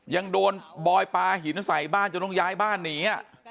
ยังโดนบอยปลาหินใส่บ้านจนต้องย้ายบ้านหนี